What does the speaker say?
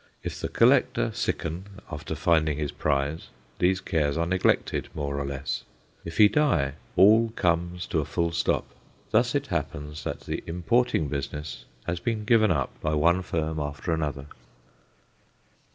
If the collector sicken after finding his prize, these cares are neglected more or less; if he die, all comes to a full stop. Thus it happens that the importing business has been given up by one firm after another.